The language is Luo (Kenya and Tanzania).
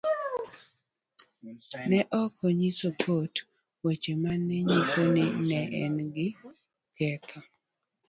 Ne ok ginyiso kot weche ma ne nyiso ni ne en gi ketho